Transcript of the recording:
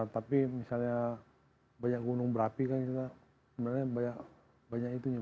tapi misalnya banyak gunung berapi kan sebenarnya banyak itu ya